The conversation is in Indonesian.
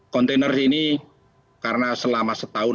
kontainer ini karena selama setahun